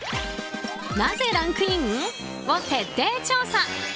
なぜランクインを徹底調査。